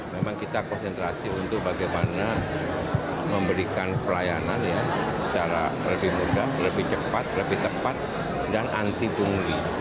jokowi dodo tahun dua ribu dua belas